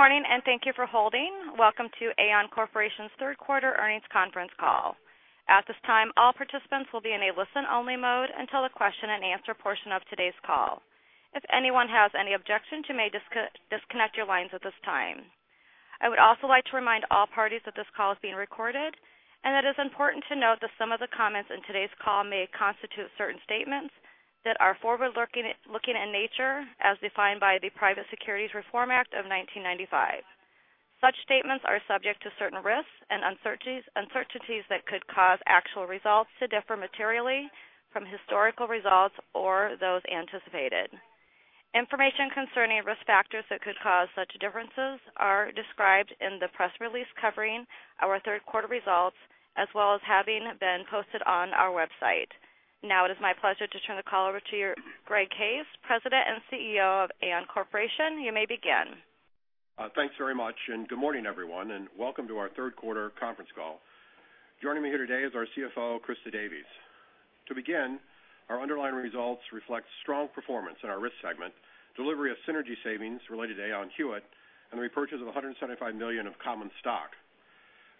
Good morning, and thank you for holding. Welcome to Aon Corporation's third quarter earnings conference call. At this time, all participants will be in a listen-only mode until the question and answer portion of today's call. If anyone has any objections, you may disconnect your lines at this time. I would also like to remind all parties that this call is being recorded, and that it is important to note that some of the comments in today's call may constitute certain statements that are forward-looking in nature, as defined by the Private Securities Litigation Reform Act of 1995. Such statements are subject to certain risks and uncertainties that could cause actual results to differ materially from historical results or those anticipated. Information concerning risk factors that could cause such differences are described in the press release covering our third quarter results, as well as having been posted on our website. It is my pleasure to turn the call over to Greg Case, President and CEO of Aon Corporation. You may begin. Thanks very much. Good morning, everyone, and welcome to our third quarter conference call. Joining me here today is our CFO, Christa Davies. To begin, our underlying results reflect strong performance in our Risk Solutions segment, delivery of synergy savings related to Aon Hewitt, and the repurchase of $175 million of common stock.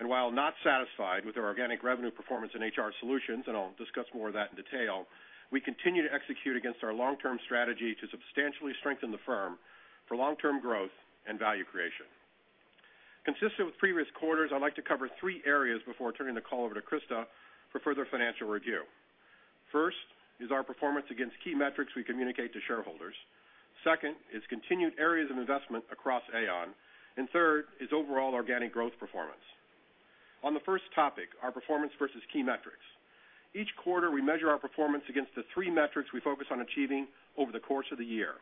While not satisfied with our organic revenue performance in HR Solutions, and I'll discuss more of that in detail, we continue to execute against our long-term strategy to substantially strengthen the firm for long-term growth and value creation. Consistent with previous quarters, I'd like to cover three areas before turning the call over to Christa for further financial review. First is our performance against key metrics we communicate to shareholders. Second is continued areas of investment across Aon, and third is overall organic growth performance. On the first topic, our performance versus key metrics. Each quarter, we measure our performance against the three metrics we focus on achieving over the course of the year: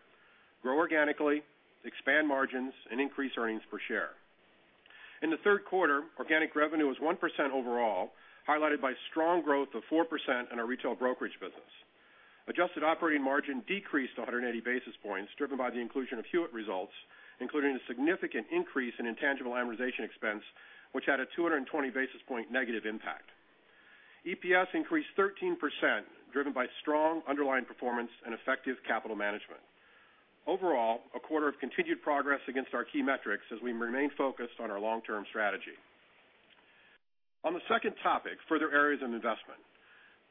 grow organically, expand margins, and increase earnings per share. In the third quarter, organic revenue was 1% overall, highlighted by strong growth of 4% in our retail brokerage business. Adjusted operating margin decreased 180 basis points, driven by the inclusion of Hewitt results, including a significant increase in intangible amortization expense, which had a 220 basis point negative impact. EPS increased 13%, driven by strong underlying performance and effective capital management. Overall, a quarter of continued progress against our key metrics as we remain focused on our long-term strategy. On the second topic, further areas of investment.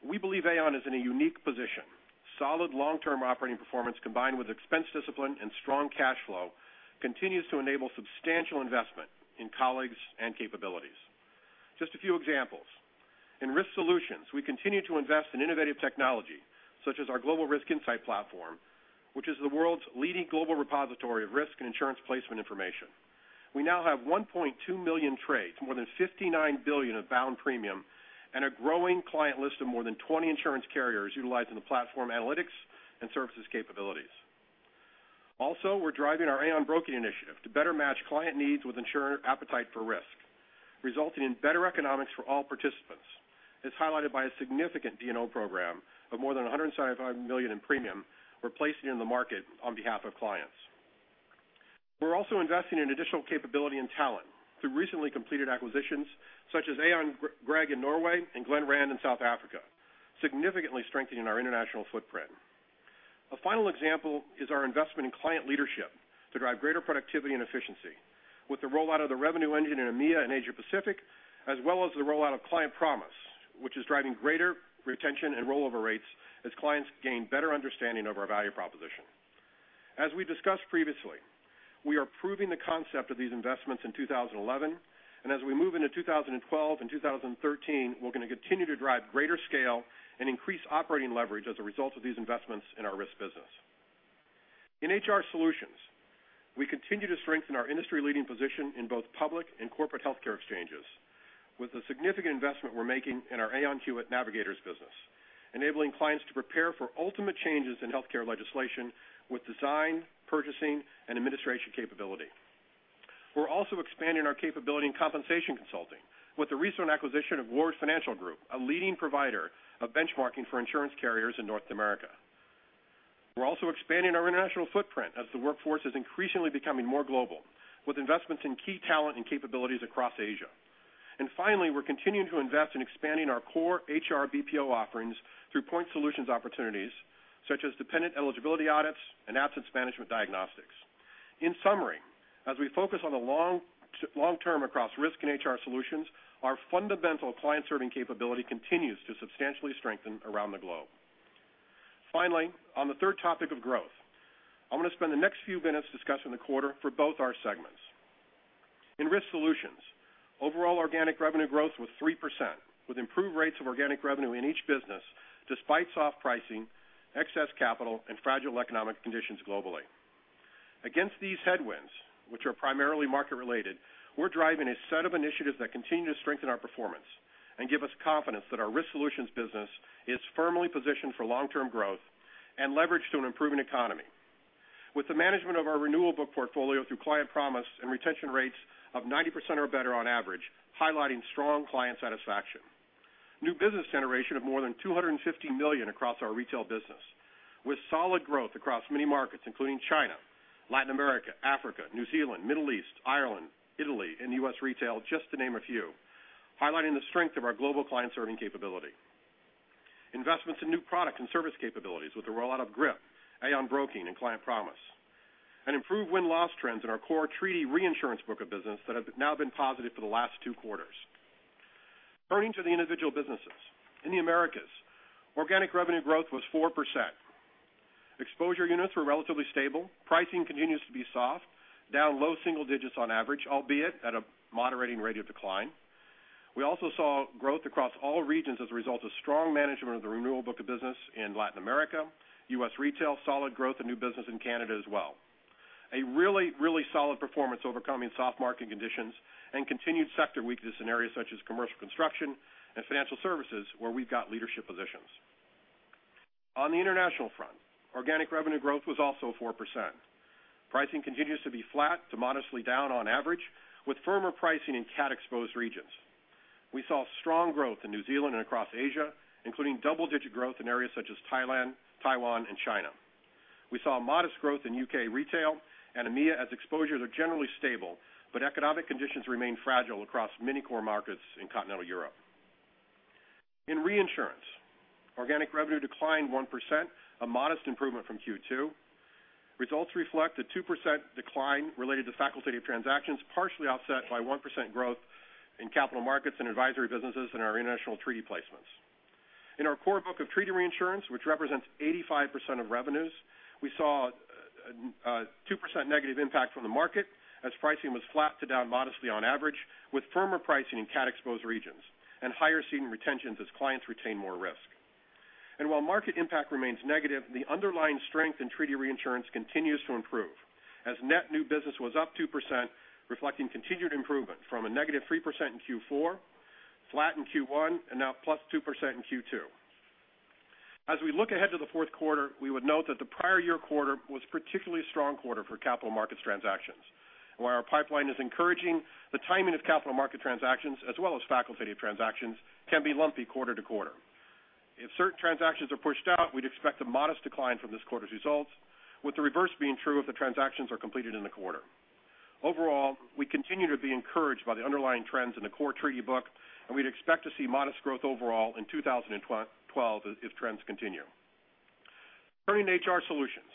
We believe Aon is in a unique position. Solid long-term operating performance, combined with expense discipline and strong cash flow, continues to enable substantial investment in colleagues and capabilities. Just a few examples. In Risk Solutions, we continue to invest in innovative technology, such as our Global Risk Insight Platform, which is the world's leading global repository of risk and insurance placement information. We now have 1.2 million trades, more than $59 billion of bound premium, and a growing client list of more than 20 insurance carriers utilizing the platform analytics and services capabilities. We're driving our Aon Broking initiative to better match client needs with insurer appetite for risk, resulting in better economics for all participants, as highlighted by a significant D&O program of more than $175 million in premium replacing in the market on behalf of clients. We're also investing in additional capability and talent through recently completed acquisitions such as Aon Grieg in Norway and Glenrand in South Africa, significantly strengthening our international footprint. A final example is our investment in client leadership to drive greater productivity and efficiency with the rollout of the Revenue Engine in EMEA and Asia Pacific, as well as the rollout of Client Promise, which is driving greater retention and rollover rates as clients gain better understanding of our value proposition. As we discussed previously, we are proving the concept of these investments in 2011, and as we move into 2012 and 2013, we're going to continue to drive greater scale and increase operating leverage as a result of these investments in our risk business. In HR Solutions, we continue to strengthen our industry-leading position in both public and corporate healthcare exchanges with the significant investment we're making in our Aon Hewitt Navigators business, enabling clients to prepare for ultimate changes in healthcare legislation with design, purchasing, and administration capability. We're also expanding our capability in compensation consulting with the recent acquisition of Ward Financial Group, a leading provider of benchmarking for insurance carriers in North America. We're also expanding our international footprint as the workforce is increasingly becoming more global with investments in key talent and capabilities across Asia. Finally, we're continuing to invest in expanding our core HR BPO offerings through point solutions opportunities such as dependent eligibility audits and absence management diagnostics. In summary, as we focus on the long-term across Risk and HR Solutions, our fundamental client-serving capability continues to substantially strengthen around the globe. Finally, on the third topic of growth, I'm going to spend the next few minutes discussing the quarter for both our segments. In Risk Solutions, overall organic revenue growth was 3%, with improved rates of organic revenue in each business despite soft pricing, excess capital, and fragile economic conditions globally. Against these headwinds, which are primarily market-related, we're driving a set of initiatives that continue to strengthen our performance and give us confidence that our Risk Solutions business is firmly positioned for long-term growth and leverage to an improving economy. With the management of our renewal book portfolio through Client Promise and retention rates of 90% or better on average, highlighting strong client satisfaction. New business generation of more than $250 million across our retail business, with solid growth across many markets, including China, Latin America, Africa, New Zealand, Middle East, Ireland, Italy, and U.S. Retail, just to name a few, highlighting the strength of our global client-serving capability. Investments in new product and service capabilities with the rollout of GRIP, Aon Broking, and Client Promise, and improved win-loss trends in our core treaty reinsurance book of business that have now been positive for the last two quarters. Turning to the individual businesses. In the Americas, organic revenue growth was 4%. Exposure units were relatively stable. Pricing continues to be soft, down low single digits on average, albeit at a moderating rate of decline. We also saw growth across all regions as a result of strong management of the renewal book of business in Latin America, U.S. retail, solid growth and new business in Canada as well. A really, really solid performance overcoming soft market conditions and continued sector weakness in areas such as commercial construction and financial services, where we've got leadership positions. On the international front, organic revenue growth was also 4%. Pricing continues to be flat to modestly down on average, with firmer pricing in cat-exposed regions. We saw strong growth in New Zealand and across Asia, including double-digit growth in areas such as Thailand, Taiwan, and China. We saw modest growth in U.K. retail and EMEA as exposures are generally stable, but economic conditions remain fragile across many core markets in continental Europe. In reinsurance, organic revenue declined 1%, a modest improvement from Q2. Results reflect a 2% decline related to facultative transactions, partially offset by 1% growth in capital markets and advisory businesses in our international treaty placements. In our core book of treaty reinsurance, which represents 85% of revenues, we saw a 2% negative impact from the market as pricing was flat to down modestly on average, with firmer pricing in cat-exposed regions and higher ceding retentions as clients retain more risk. While market impact remains negative, the underlying strength in treaty reinsurance continues to improve as net new business was up 2%, reflecting continued improvement from a negative 3% in Q4, flat in Q1, and now +2% in Q2. As we look ahead to the fourth quarter, we would note that the prior year quarter was a particularly strong quarter for capital markets transactions. While our pipeline is encouraging, the timing of capital market transactions as well as facultative transactions can be lumpy quarter to quarter. If certain transactions are pushed out, we'd expect a modest decline from this quarter's results, with the reverse being true if the transactions are completed in the quarter. Overall, we continue to be encouraged by the underlying trends in the core treaty book, and we'd expect to see modest growth overall in 2012 if trends continue. Turning to HR Solutions.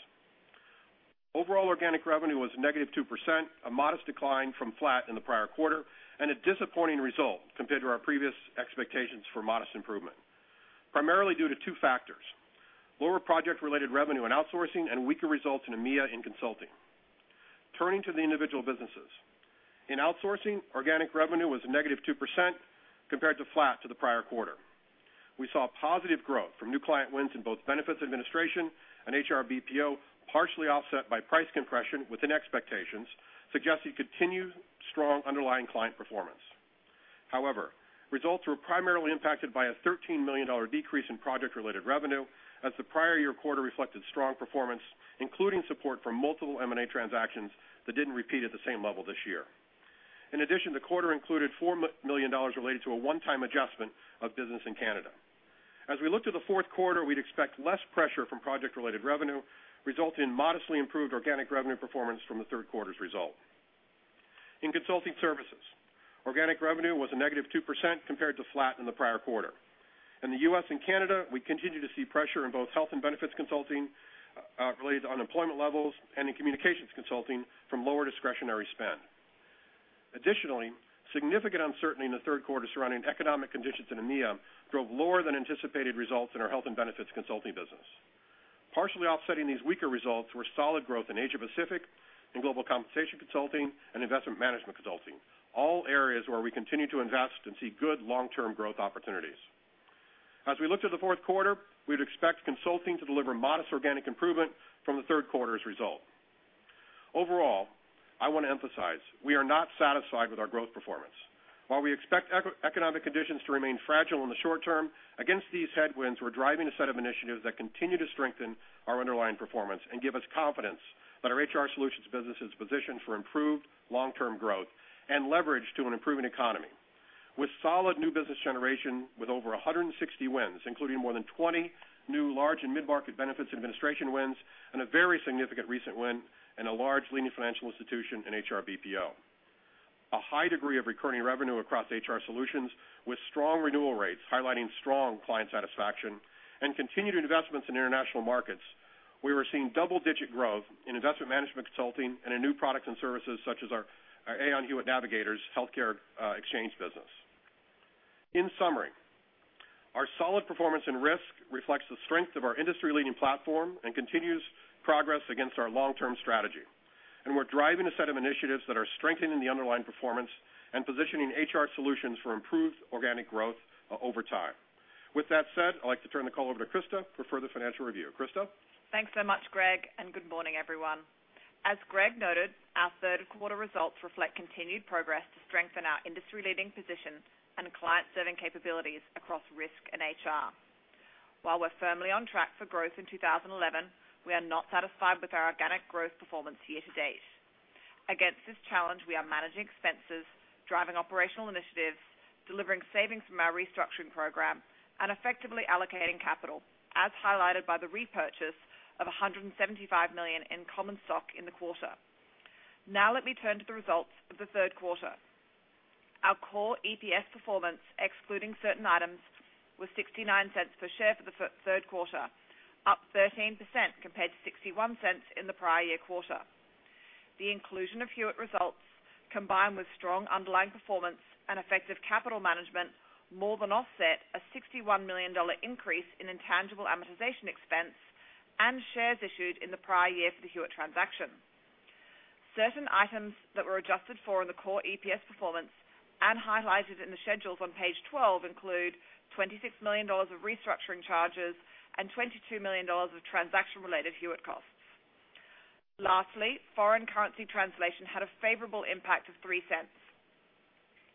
Overall organic revenue was -2%, a modest decline from flat in the prior quarter and a disappointing result compared to our previous expectations for modest improvement, primarily due to two factors, lower project-related revenue and outsourcing and weaker results in EMEA in consulting. Turning to the individual businesses. In outsourcing, organic revenue was -2% compared to flat to the prior quarter. We saw positive growth from new client wins in both benefits administration and HR BPO, partially offset by price compression within expectations, suggesting continued strong underlying client performance. However, results were primarily impacted by a $13 million decrease in project-related revenue as the prior year quarter reflected strong performance, including support from multiple M&A transactions that didn't repeat at the same level this year. In addition, the quarter included $4 million related to a one-time adjustment of business in Canada. As we look to the fourth quarter, we would expect less pressure from project-related revenue, resulting in modestly improved organic revenue performance from the third quarter's result. In consulting services, organic revenue was -2% compared to flat in the prior quarter. In the U.S. and Canada, we continue to see pressure in both health and benefits consulting related to unemployment levels and in communications consulting from lower discretionary spend. Additionally, significant uncertainty in the third quarter surrounding economic conditions in EMEA drove lower than anticipated results in our health and benefits consulting business. Partially offsetting these weaker results were solid growth in Asia Pacific, in global compensation consulting, and investment management consulting, all areas where we continue to invest and see good long-term growth opportunities. As we look to the fourth quarter, we would expect consulting to deliver modest organic improvement from the third quarter's result. Overall, I want to emphasize, we are not satisfied with our growth performance. While we expect economic conditions to remain fragile in the short term, against these headwinds, we are driving a set of initiatives that continue to strengthen our underlying performance and give us confidence that our HR Solutions business is positioned for improved long-term growth and leverage to an improving economy. With solid new business generation with over 160 wins, including more than 20 new large and mid-market benefits administration wins and a very significant recent win in a large leading financial institution in HR BPO. A high degree of recurring revenue across HR Solutions with strong renewal rates highlighting strong client satisfaction and continued investments in international markets. We were seeing double-digit growth in investment management consulting and in new products and services such as our Aon Hewitt Navigators healthcare exchange business. In summary, our solid performance in Risk reflects the strength of our industry-leading platform and continued progress against our long-term strategy. And we are driving a set of initiatives that are strengthening the underlying performance and positioning HR Solutions for improved organic growth over time. With that said, I would like to turn the call over to Christa for further financial review. Christa? Thanks so much, Greg, and good morning, everyone. As Greg noted, our third quarter results reflect continued progress to strengthen our industry-leading position and client-serving capabilities across Risk and HR. While we are firmly on track for growth in 2011, we are not satisfied with our organic growth performance year to date. Against this challenge, we are managing expenses, driving operational initiatives, delivering savings from our restructuring program, and effectively allocating capital, as highlighted by the repurchase of $175 million in common stock in the quarter. Now let me turn to the results of the third quarter. Our core EPS performance, excluding certain items, was $0.69 per share for the third quarter, up 13% compared to $0.61 in the prior year quarter. The inclusion of Hewitt results, combined with strong underlying performance and effective capital management, more than offset a $61 million increase in intangible amortization expense and shares issued in the prior year for the Hewitt transaction. Certain items that were adjusted for in the core EPS performance and highlighted in the schedules on page 12 include $26 million of restructuring charges and $22 million of transaction-related Hewitt costs. Lastly, foreign currency translation had a favorable impact of $0.03.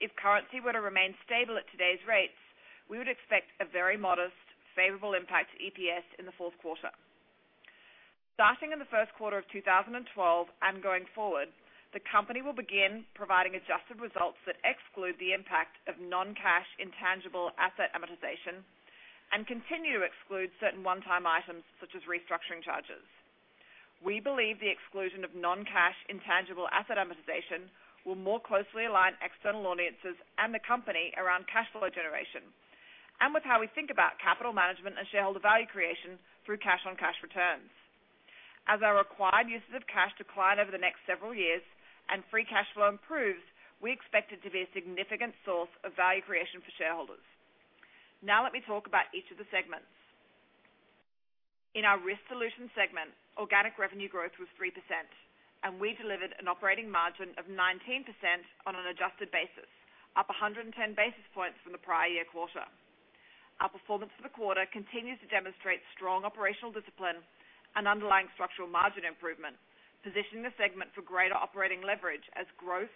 If currency were to remain stable at today's rates, we would expect a very modest favorable impact to EPS in the fourth quarter. Starting in the first quarter of 2012 and going forward, the company will begin providing adjusted results that exclude the impact of non-cash intangible asset amortization and continue to exclude certain one-time items such as restructuring charges. We believe the exclusion of non-cash intangible asset amortization will more closely align external audiences and the company around cash flow generation and with how we think about capital management and shareholder value creation through cash on cash returns. As our required uses of cash decline over the next several years and free cash flow improves, we expect it to be a significant source of value creation for shareholders. Now let me talk about each of the segments. In our Risk Solutions segment, organic revenue growth was 3% and we delivered an operating margin of 19% on an adjusted basis, up 110 basis points from the prior year quarter. Our performance for the quarter continues to demonstrate strong operational discipline and underlying structural margin improvement, positioning the segment for greater operating leverage as growth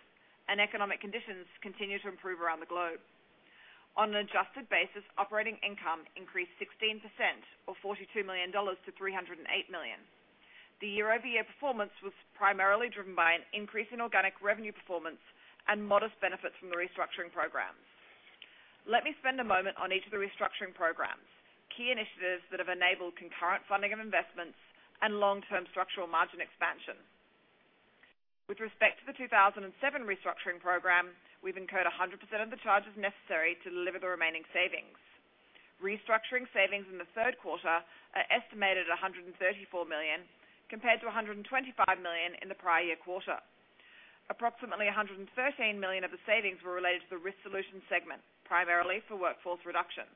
and economic conditions continue to improve around the globe. On an adjusted basis, operating income increased 16% or $42 million to $308 million. The year-over-year performance was primarily driven by an increase in organic revenue performance and modest benefits from the restructuring programs. Let me spend a moment on each of the restructuring programs, key initiatives that have enabled concurrent funding of investments and long-term structural margin expansion. With respect to the 2007 restructuring program, we've incurred 100% of the charges necessary to deliver the remaining savings. Restructuring savings in the third quarter are estimated at $134 million compared to $125 million in the prior year quarter. Approximately $113 million of the savings were related to the Risk Solutions segment, primarily for workforce reduction.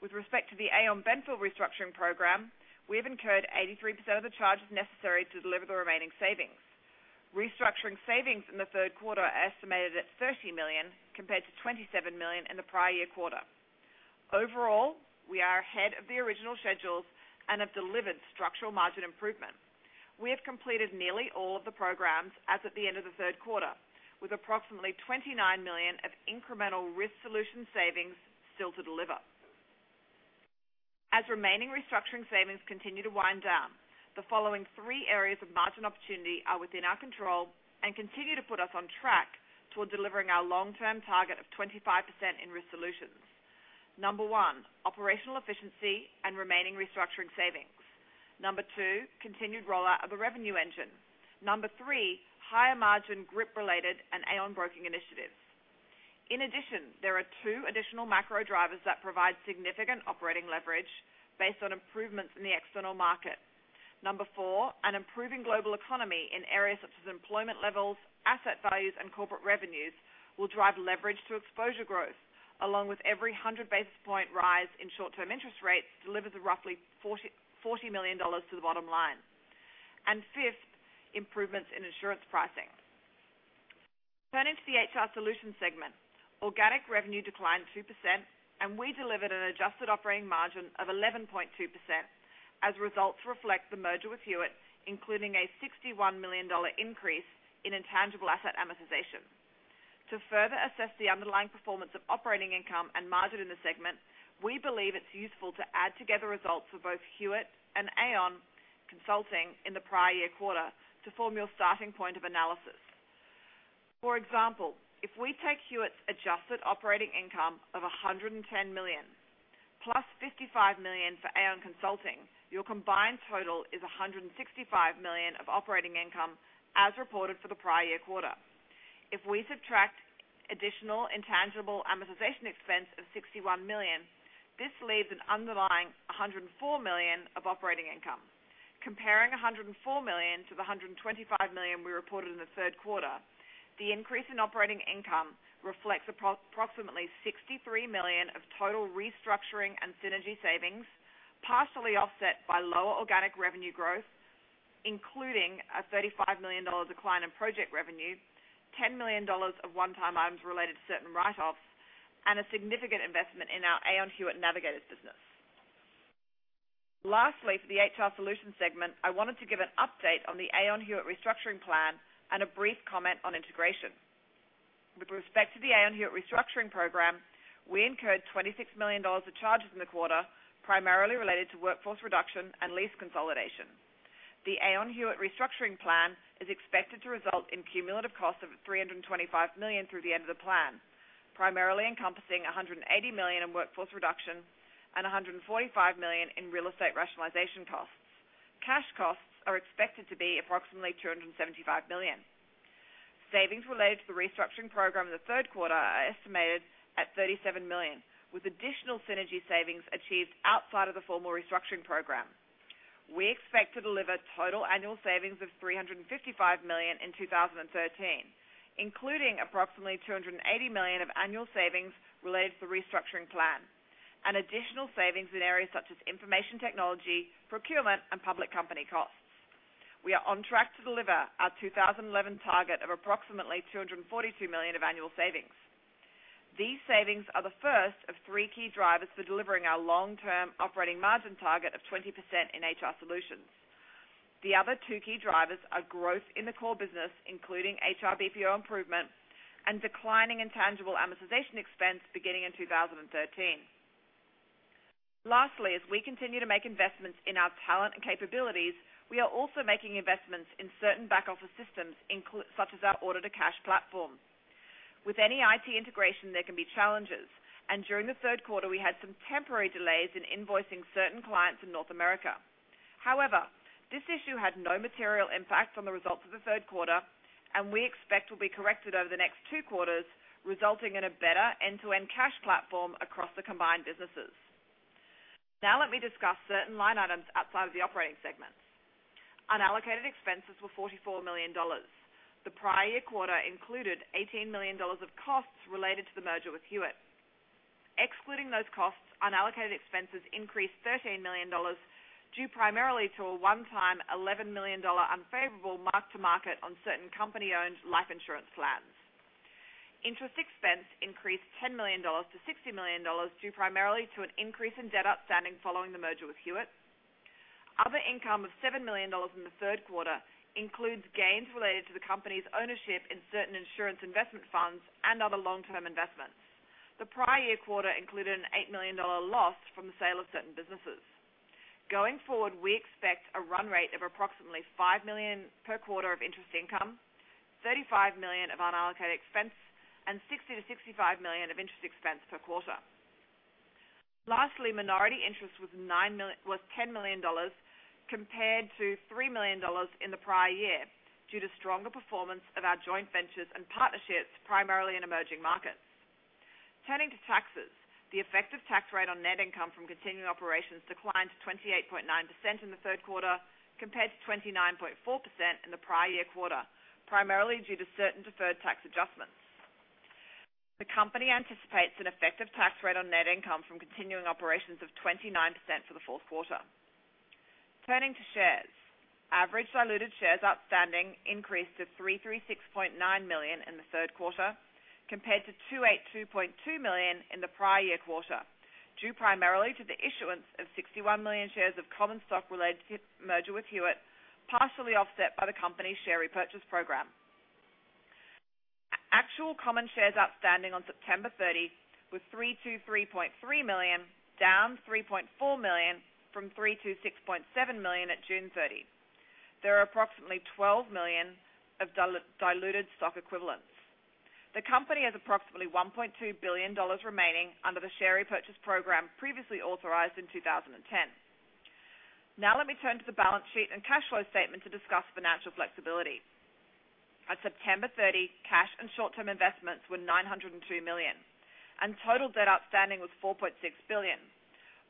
With respect to the Aon Benfield restructuring program, we have incurred 83% of the charges necessary to deliver the remaining savings. Restructuring savings in the third quarter are estimated at $30 million compared to $27 million in the prior year quarter. Overall, we are ahead of the original schedules and have delivered structural margin improvement. We have completed nearly all of the programs as at the end of the third quarter, with approximately $29 million of incremental Risk Solutions savings still to deliver. As remaining restructuring savings continue to wind down, the following three areas of margin opportunity are within our control and continue to put us on track toward delivering our long-term target of 25% in Risk Solutions. Number one, operational efficiency and remaining restructuring savings. Number two, continued rollout of the Revenue Engine. Number three, higher margin GRIP related and Aon Broking initiatives. In addition, there are two additional macro drivers that provide significant operating leverage based on improvements in the external market. Number four, an improving global economy in areas such as employment levels, asset values, and corporate revenues will drive leverage to exposure growth along with every 100 basis point rise in short term interest rates delivers roughly $40 million to the bottom line. Fifth, improvements in insurance pricing. Turning to the HR Solutions segment, organic revenue declined 2% and we delivered an adjusted operating margin of 11.2% as results reflect the merger with Hewitt, including a $61 million increase in intangible asset amortization. To further assess the underlying performance of operating income and margin in the segment, we believe it's useful to add together results for both Hewitt and Aon Consulting in the prior year quarter to form your starting point of analysis. For example, if we take Hewitt's adjusted operating income of $110 million plus $55 million for Aon Consulting, your combined total is $165 million of operating income as reported for the prior year quarter. If we subtract additional intangible amortization expense of $61 million, this leaves an underlying $104 million of operating income. Comparing $104 million to the $125 million we reported in the third quarter, the increase in operating income reflects approximately $63 million of total restructuring and synergy savings, partially offset by lower organic revenue growth, including a $35 million decline in project revenue, $10 million of one-time items related to certain write-offs, and a significant investment in our Aon Hewitt Navigators business. Lastly, for the HR Solutions segment, I wanted to give an update on the Aon Hewitt restructuring plan and a brief comment on integration. With respect to the Aon Hewitt restructuring program, we incurred $26 million of charges in the quarter, primarily related to workforce reduction and lease consolidation. The Aon Hewitt restructuring plan is expected to result in cumulative costs of $325 million through the end of the plan, primarily encompassing $180 million in workforce reduction and $145 million in real estate rationalization costs. Cash costs are expected to be approximately $275 million. Savings related to the restructuring program in the third quarter are estimated at $37 million, with additional synergy savings achieved outside of the formal restructuring program. We expect to deliver total annual savings of $355 million in 2013, including approximately $280 million of annual savings related to the restructuring plan, and additional savings in areas such as information technology, procurement, and public company costs. We are on track to deliver our 2011 target of approximately $242 million of annual savings. These savings are the first of three key drivers for delivering our long-term operating margin target of 20% in HR Solutions. The other two key drivers are growth in the core business, including HR BPO improvement, and declining intangible amortization expense beginning in 2013. Lastly, as we continue to make investments in our talent and capabilities, we are also making investments in certain back-office systems, such as our order-to-cash platform. With any IT integration, there can be challenges, and during the third quarter, we had some temporary delays in invoicing certain clients in North America. However, this issue had no material impact on the results of the third quarter, and we expect will be corrected over the next two quarters, resulting in a better end-to-end cash platform across the combined businesses. Now let me discuss certain line items outside of the operating segments. Unallocated expenses were $44 million. The prior year quarter included $18 million of costs related to the merger with Hewitt. Excluding those costs, unallocated expenses increased $13 million due primarily to a one-time $11 million unfavorable mark-to-market on certain company-owned life insurance plans. Interest expense increased $10 million to $60 million due primarily to an increase in debt outstanding following the merger with Hewitt. Other income of $7 million in the third quarter includes gains related to the company's ownership in certain insurance investment funds and other long-term investments. The prior year quarter included an $8 million loss from the sale of certain businesses. Going forward, we expect a run rate of approximately $5 million per quarter of interest income, $35 million of unallocated expense, and $60 million-$65 million of interest expense per quarter. Lastly, minority interest was $10 million compared to $3 million in the prior year due to stronger performance of our joint ventures and partnerships, primarily in emerging markets. Turning to taxes, the effective tax rate on net income from continuing operations declined to 28.9% in the third quarter compared to 29.4% in the prior year quarter, primarily due to certain deferred tax adjustments. The company anticipates an effective tax rate on net income from continuing operations of 29% for the fourth quarter. Turning to shares. Average diluted shares outstanding increased to 336.9 million in the third quarter compared to 282.2 million in the prior year quarter, due primarily to the issuance of 61 million shares of common stock related to the merger with Hewitt, partially offset by the company's share repurchase program. Actual common shares outstanding on September 30 were 323.3 million, down 3.4 million from 326.7 million at June 30. There are approximately 12 million of diluted stock equivalents. The company has approximately $1.2 billion remaining under the share repurchase program previously authorized in 2010. Let me turn to the balance sheet and cash flow statement to discuss financial flexibility. At September 30, cash and short-term investments were $902 million, and total debt outstanding was $4.6 billion.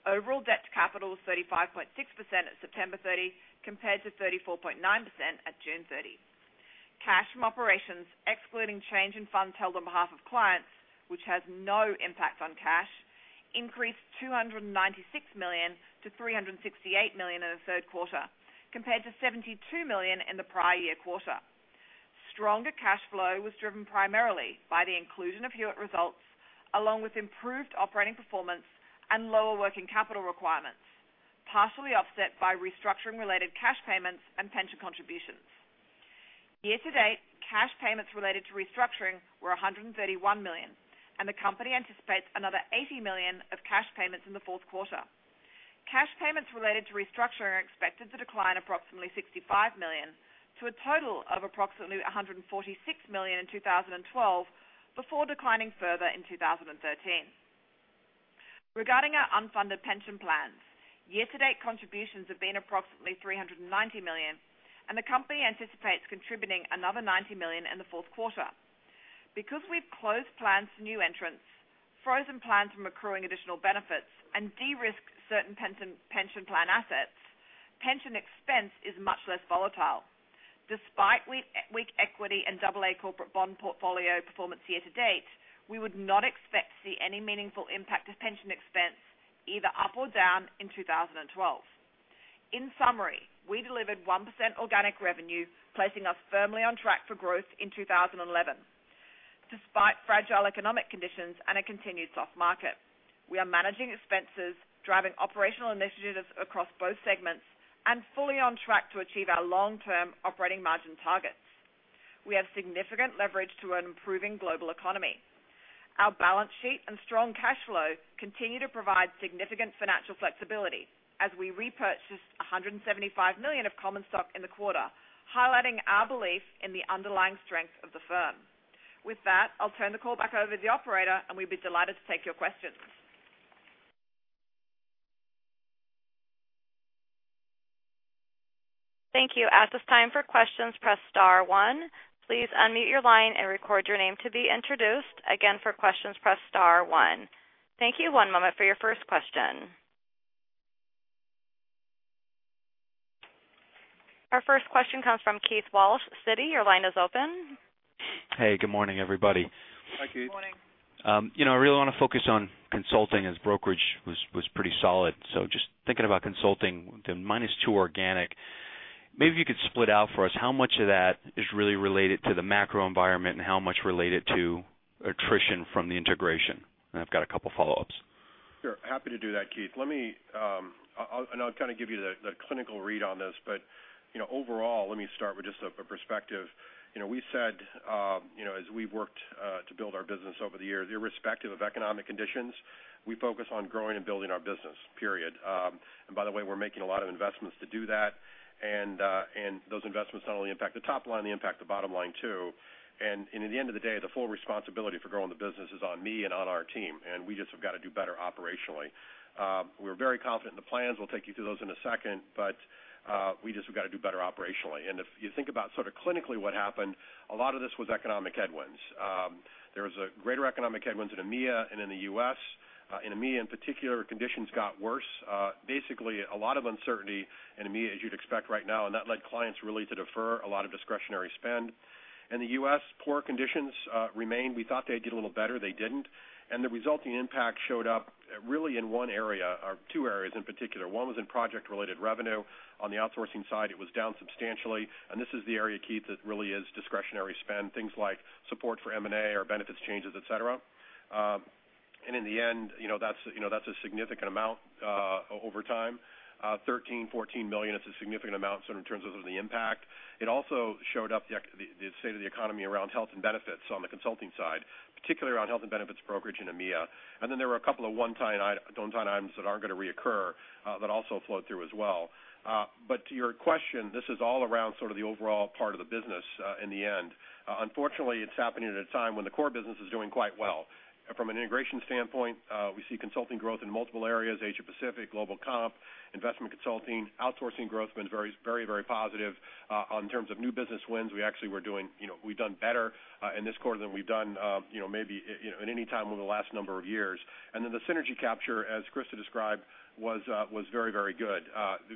Overall debt to capital was 35.6% at September 30 compared to 34.9% at June 30. Cash from operations, excluding change in funds held on behalf of clients, which has no impact on cash, increased $296 million to $368 million in the third quarter compared to $72 million in the prior year quarter. Stronger cash flow was driven primarily by the inclusion of Hewitt results along with improved operating performance and lower working capital requirements, partially offset by restructuring-related cash payments and pension contributions. Year-to-date, cash payments related to restructuring were $131 million, and the company anticipates another $80 million of cash payments in the fourth quarter. Cash payments related to restructuring are expected to decline approximately $65 million to a total of approximately $146 million in 2012 before declining further in 2013. Regarding our unfunded pension plans, year-to-date contributions have been approximately $390 million, and the company anticipates contributing another $90 million in the fourth quarter. Because we've closed plans to new entrants, frozen plans from accruing additional benefits, and de-risked certain pension plan assets, pension expense is much less volatile. Despite weak equity and AA corporate bond portfolio performance year-to-date, we would not expect to see any meaningful impact to pension expense either up or down in 2012. In summary, we delivered 1% organic revenue, placing us firmly on track for growth in 2011, despite fragile economic conditions and a continued soft market. We are managing expenses, driving operational initiatives across both segments, and fully on track to achieve our long-term operating margin targets. We have significant leverage to an improving global economy. Our balance sheet and strong cash flow continue to provide significant financial flexibility as we repurchased $175 million of common stock in the quarter, highlighting our belief in the underlying strength of the firm. With that, I'll turn the call back over to the operator, we'd be delighted to take your questions. Thank you. As it's time for questions, press star one. Please unmute your line and record your name to be introduced. Again, for questions, press star one. Thank you. One moment for your first question. Our first question comes from Keith Walsh, Citi. Your line is open. Hey, good morning, everybody. Hi, Keith. Good morning. I really want to focus on consulting as brokerage was pretty solid. Just thinking about consulting, the -2% organic, maybe you could split out for us how much of that is really related to the macro environment and how much related to attrition from the integration. I've got a couple of follow-ups. Sure. Happy to do that, Keith. I'll give you the clinical read on this, but overall, let me start with just a perspective. We said, as we've worked to build our business over the years, irrespective of economic conditions, we focus on growing and building our business, period. By the way, we're making a lot of investments to do that, and those investments not only impact the top line, they impact the bottom line, too. At the end of the day, the full responsibility for growing the business is on me and on our team, and we just have got to do better operationally. We're very confident in the plans. We'll take you through those in a second, but we just have got to do better operationally. If you think about sort of clinically what happened, a lot of this was economic headwinds. There was a greater economic headwinds in EMEA and in the U.S. In EMEA in particular, conditions got worse. Basically, a lot of uncertainty in EMEA, as you'd expect right now, and that led clients really to defer a lot of discretionary spend. In the U.S., poor conditions remained. We thought they'd get a little better. They didn't. The resulting impact showed up really in one area or two areas in particular. One was in project-related revenue. On the outsourcing side, it was down substantially, and this is the area, Keith, that really is discretionary spend, things like support for M&A or benefits changes, et cetera. In the end, that's a significant amount, over time. $13 million-$14 million is a significant amount, sort of in terms of the impact. It also showed up the state of the economy around health and benefits on the consulting side, particularly around health and benefits brokerage in EMEA. There were a couple of one-time items that aren't going to reoccur, that also flowed through as well. To your question, this is all around sort of the overall part of the business, in the end. Unfortunately, it's happening at a time when the core business is doing quite well. From an integration standpoint, we see consulting growth in multiple areas, Asia Pacific, global comp, investment consulting. Outsourcing growth has been very positive. In terms of new business wins, we've done better in this quarter than we've done, maybe at any time over the last number of years. The synergy capture, as Christa described, was very good.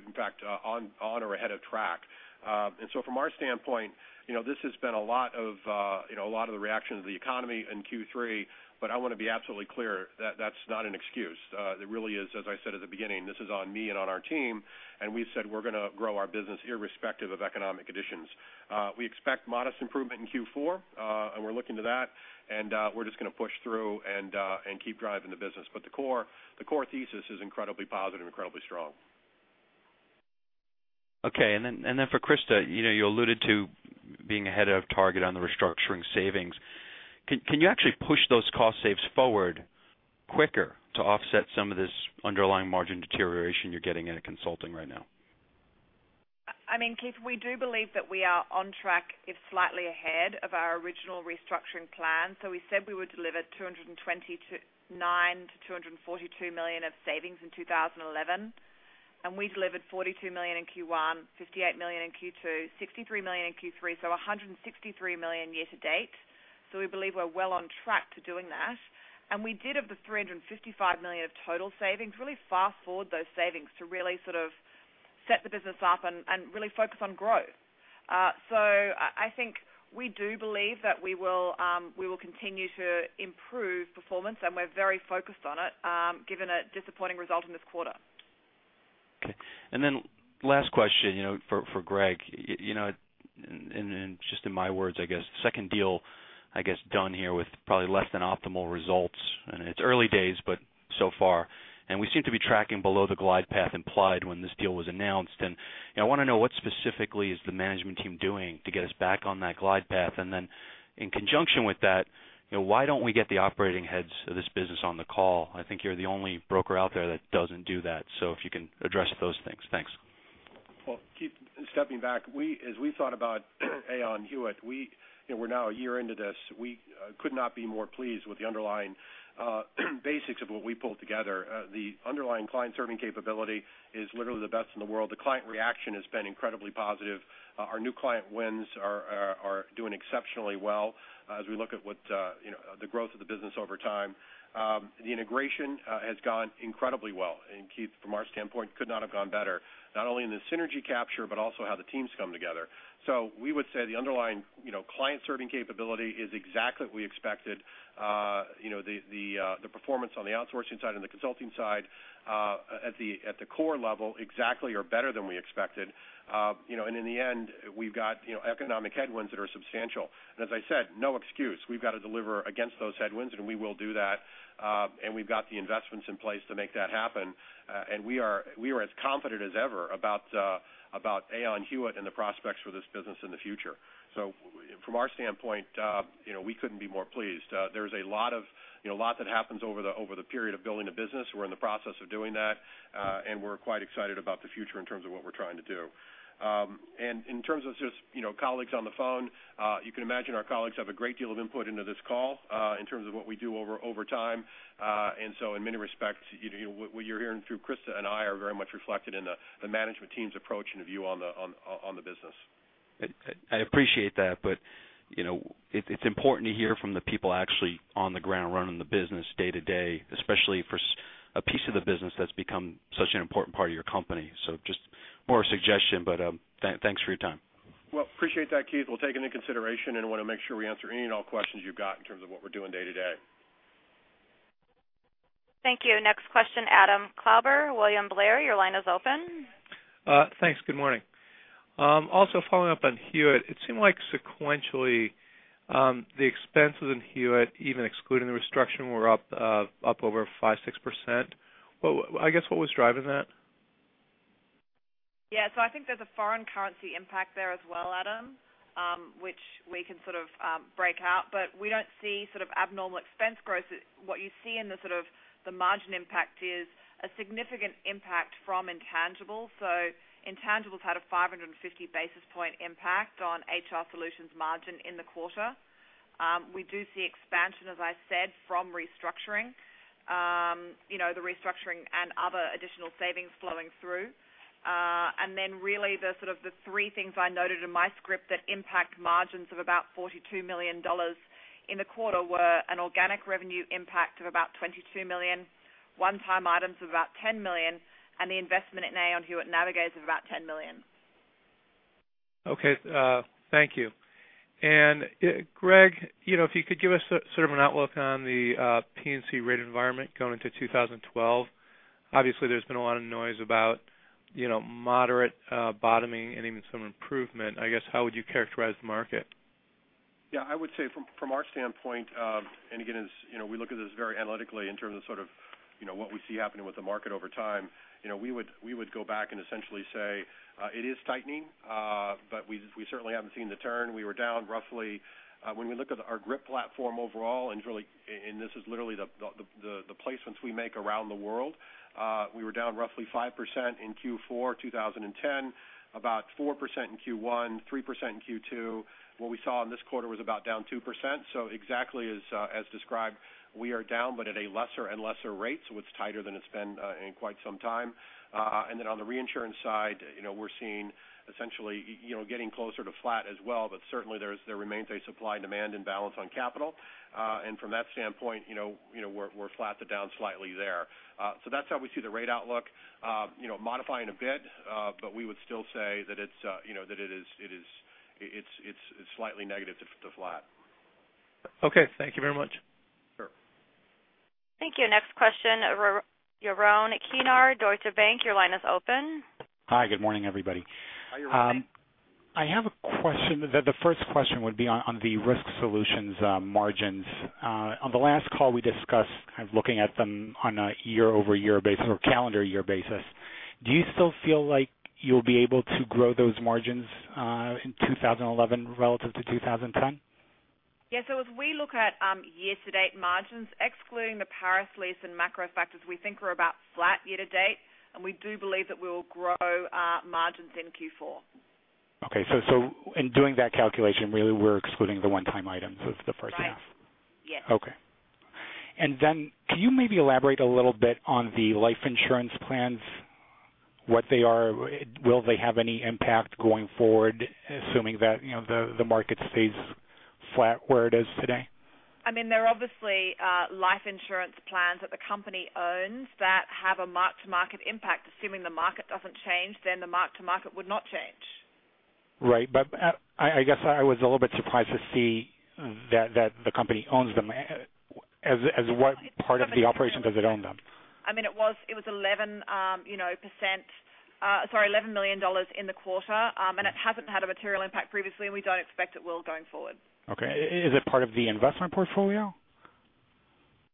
In fact, on or ahead of track. From our standpoint, this has been a lot of the reaction to the economy in Q3, but I want to be absolutely clear that's not an excuse. It really is, as I said at the beginning, this is on me and on our team, and we've said we're going to grow our business irrespective of economic conditions. We expect modest improvement in Q4, and we're looking to that, and we're just going to push through and keep driving the business. The core thesis is incredibly positive and incredibly strong. Okay, for Christa, you alluded to being ahead of target on the restructuring savings. Can you actually push those cost saves forward quicker to offset some of this underlying margin deterioration you're getting into consulting right now? I mean, Keith, we do believe that we are on track, if slightly ahead, of our original restructuring plan. We said we would deliver $229 million-$242 million of savings in 2011, and we delivered $42 million in Q1, $58 million in Q2, $63 million in Q3, so $163 million year to date. We believe we're well on track to doing that. We did, of the $355 million of total savings, really fast-forward those savings to really sort of set the business up and really focus on growth. I think we do believe that we will continue to improve performance, and we're very focused on it, given a disappointing result in this quarter. Okay. Last question for Greg. Just in my words, I guess, second deal, I guess, done here with probably less than optimal results. It's early days, but so far. We seem to be tracking below the glide path implied when this deal was announced. I want to know what specifically is the management team doing to get us back on that glide path. In conjunction with that, why don't we get the operating heads of this business on the call? I think you're the only broker out there that doesn't do that. If you can address those things. Thanks. Well, Keith, stepping back, as we thought about Aon Hewitt, we're now a year into this. We could not be more pleased with the underlying basics of what we pulled together. The underlying client-serving capability is literally the best in the world. The client reaction has been incredibly positive. Our new client wins are doing exceptionally well as we look at the growth of the business over time. The integration has gone incredibly well. Keith, from our standpoint, could not have gone better, not only in the synergy capture, but also how the teams come together. We would say the underlying client-serving capability is exactly what we expected. The performance on the outsourcing side and the consulting side, at the core level, exactly or better than we expected. In the end, we've got economic headwinds that are substantial. As I said, no excuse. We've got to deliver against those headwinds, and we will do that. We've got the investments in place to make that happen. We are as confident as ever about Aon Hewitt and the prospects for this business in the future. From our standpoint, we couldn't be more pleased. There's a lot that happens over the period of building a business. We're in the process of doing that. We're quite excited about the future in terms of what we're trying to do. In terms of just colleagues on the phone, you can imagine our colleagues have a great deal of input into this call, in terms of what we do over time. In many respects, what you're hearing through Christa and I are very much reflected in the management team's approach and view on the business. I appreciate that, but it's important to hear from the people actually on the ground running the business day-to-day, especially for a piece of the business that's become such an important part of your company. Just more a suggestion, but thanks for your time. Appreciate that, Keith. We'll take it into consideration and want to make sure we answer any and all questions you've got in terms of what we're doing day-to-day. Thank you. Next question, Adam Klauber, William Blair, your line is open. Thanks. Good morning. Also following up on Hewitt, it seemed like sequentially, the expenses in Hewitt, even excluding the restructure, were up over 5%, 6%. I guess, what was driving that? Yeah. I think there's a foreign currency impact there as well, Adam, which we can sort of break out, but we don't see abnormal expense growth. What you see in the margin impact is a significant impact from intangibles. Intangibles had a 550 basis point impact on HR Solutions margin in the quarter. We do see expansion, as I said, from restructuring. The restructuring and other additional savings flowing through. Really the three things I noted in my script that impact margins of about $42 million in the quarter were an organic revenue impact of about $22 million, one-time items of about $10 million, and the investment at Aon Hewitt Navigators of about $10 million. Okay. Thank you. Greg, if you could give us sort of an outlook on the P&C rate environment going into 2012. Obviously, there's been a lot of noise about moderate bottoming and even some improvement. I guess how would you characterize the market? Yeah, I would say from our standpoint, again as we look at this very analytically in terms of sort of what we see happening with the market over time. We would go back and essentially say it is tightening, but we certainly haven't seen the turn. When we look at our GRIP platform overall, and this is literally the placements we make around the world, we were down roughly 5% in Q4 2010, about 4% in Q1, 3% in Q2. What we saw in this quarter was about down 2%. Exactly as described, we are down, but at a lesser and lesser rate. It's tighter than it's been in quite some time. Then on the reinsurance side, we're seeing essentially getting closer to flat as well. Certainly there remains a supply and demand imbalance on capital. From that standpoint, we're flat to down slightly there. That's how we see the rate outlook modifying a bit. We would still say that it's slightly negative to flat. Okay. Thank you very much. Sure. Thank you. Next question, Yaron Kinar, Deutsche Bank, your line is open. Hi, good morning, everybody. Hi, Yaron. I have a question. The first question would be on the Risk Solutions margins. On the last call we discussed kind of looking at them on a year-over-year basis or calendar year basis. Do you still feel like you'll be able to grow those margins in 2011 relative to 2010? As we look at year-to-date margins, excluding the Paris lease and macro factors, we think we're about flat year-to-date, and we do believe that we will grow our margins in Q4. In doing that calculation, really we're excluding the one-time items of the first half. Yes. Can you maybe elaborate a little bit on the life insurance plans, what they are? Will they have any impact going forward, assuming that the market stays flat where it is today? I mean, they're obviously life insurance plans that the company owns that have a mark-to-market impact. Assuming the market doesn't change, the mark-to-market would not change. Right. I guess I was a little bit surprised to see that the company owns them. As what part of the operation does it own them? I mean, it was $11 million in the quarter, and it hasn't had a material impact previously, and we don't expect it will going forward. Okay. Is it part of the investment portfolio?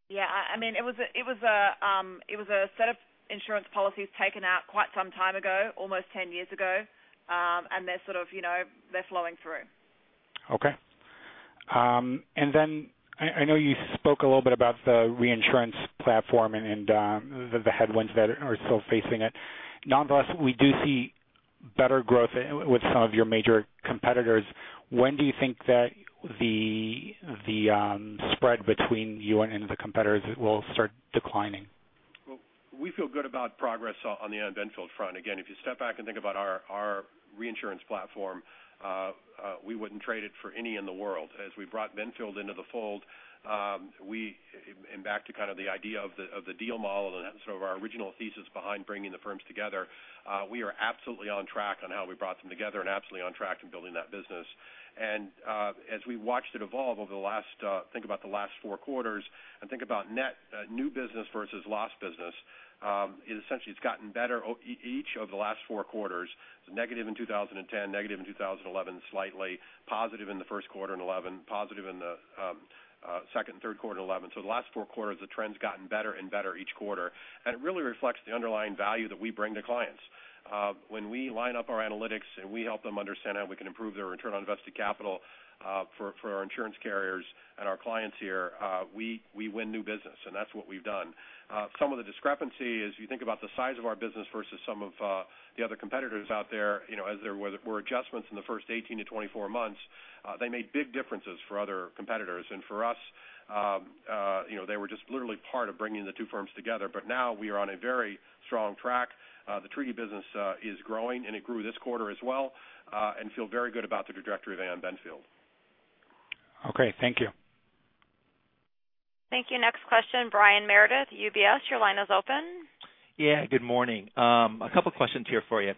It was a set of insurance policies taken out quite some time ago, almost 10 years ago. They're sort of flowing through. I know you spoke a little bit about the reinsurance platform and the headwinds that are still facing it. Nonetheless, we do see better growth with some of your major competitors. When do you think that the spread between you and the competitors will start declining? We feel good about progress on the Aon Benfield front. Again, if you step back and think about our reinsurance platform, we wouldn't trade it for any in the world. As we brought Benfield into the fold, and back to kind of the idea of the deal model and sort of our original thesis behind bringing the firms together. We are absolutely on track on how we brought them together and absolutely on track in building that business. As we watched it evolve over, think about the last four quarters and think about net new business versus lost business, essentially it's gotten better each of the last four quarters. It was negative in 2010, negative in 2011, slightly positive in the first quarter in 2011, positive in the second and third quarter 2011. The last four quarters, the trend's gotten better and better each quarter, and it really reflects the underlying value that we bring to clients. When we line up our analytics and we help them understand how we can improve their return on invested capital for our insurance carriers and our clients here, we win new business, and that's what we've done. Some of the discrepancy is you think about the size of our business versus some of the other competitors out there. As there were adjustments in the first 18 to 24 months, they made big differences for other competitors. For us, they were just literally part of bringing the two firms together. Now we are on a very strong track. The treaty business is growing, and it grew this quarter as well, and feel very good about the trajectory of Aon Benfield. Okay, thank you. Thank you. Next question, Brian Meredith, UBS, your line is open. Yeah, good morning. A couple questions here for you.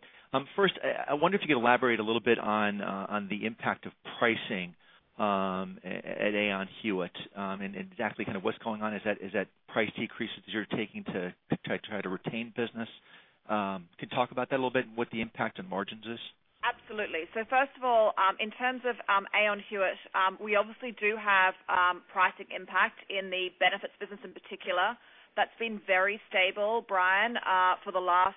First, I wonder if you could elaborate a little bit on the impact of pricing at Aon Hewitt, and exactly what's going on. Is that price decreases you're taking to try to retain business? Can you talk about that a little bit and what the impact on margins is? Absolutely. First of all, in terms of Aon Hewitt, we obviously do have pricing impact in the benefits business in particular. That's been very stable, Brian, for the last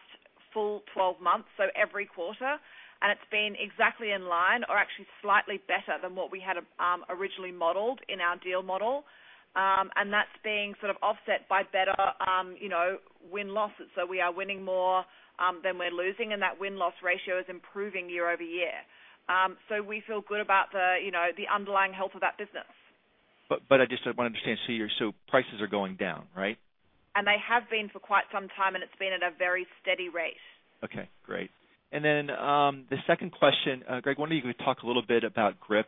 full 12 months, so every quarter, and it's been exactly in line or actually slightly better than what we had originally modeled in our deal model. That's being sort of offset by better win losses. We are winning more than we're losing, and that win-loss ratio is improving year-over-year. We feel good about the underlying health of that business. I just want to understand. Prices are going down, right? They have been for quite some time, and it's been at a very steady rate. Okay, great. The second question, Greg, I wonder if you could talk a little bit about GRIP,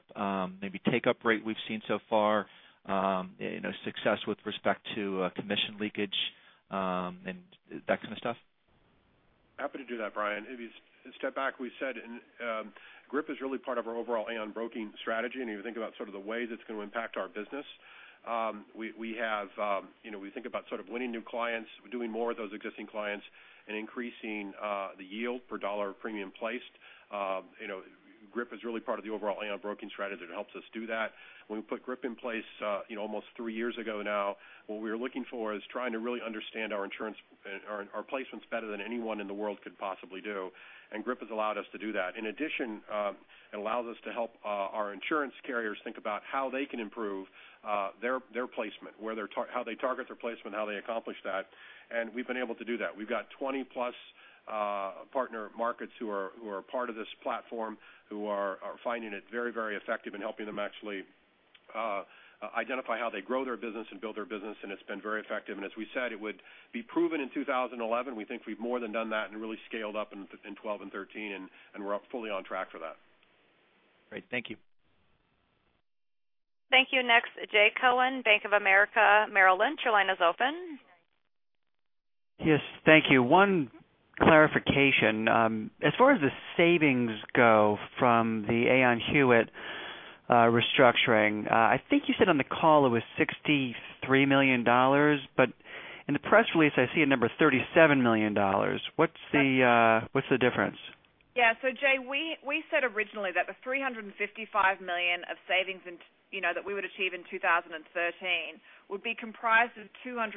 maybe take-up rate we've seen so far, success with respect to commission leakage, and that kind of stuff. Happy to do that, Brian. If you step back, we said GRIP is really part of our overall Aon Broking strategy. If you think about the way that's going to impact our business, we think about winning new clients, doing more with those existing clients, and increasing the yield per dollar of premium placed. GRIP is really part of the overall Aon Broking strategy, and it helps us do that. When we put GRIP in place almost three years ago now, what we were looking for is trying to really understand our placements better than anyone in the world could possibly do. GRIP has allowed us to do that. In addition, it allows us to help our insurance carriers think about how they can improve their placement, how they target their placement, how they accomplish that. We've been able to do that. We've got 20-plus partner markets who are part of this platform, who are finding it very effective in helping them actually identify how they grow their business and build their business, and it's been very effective. As we said, it would be proven in 2011. We think we've more than done that and really scaled up in 2012 and 2013. We're fully on track for that. Great. Thank you. Thank you. Next, Jay Cohen, Bank of America, Merrill Lynch. Your line is open. Yes. Thank you. One clarification. As far as the savings go from the Aon Hewitt restructuring, I think you said on the call it was $63 million. In the press release, I see a number of $37 million. What's the difference? Yeah. Jay, we said originally that the $355 million of savings that we would achieve in 2013 would be comprised of $280